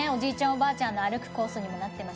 おばあちゃんの歩くコースにもなってます。